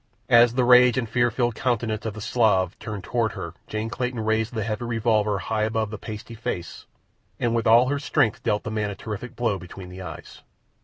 As the rage and fear filled countenance of the Slav turned toward her Jane Clayton raised the heavy revolver high above the pasty face and with all her strength dealt the man a terrific blow between the eyes.